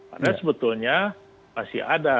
karena sebetulnya masih ada